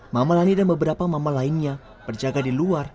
mama lani dan beberapa mama lainnya berjaga di luar